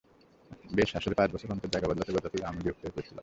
বেশ, আসলে পাঁচ বছর অন্তর জায়গা বদলাতে বদলাতে আমি বিরক্ত হয়ে পড়েছিলাম।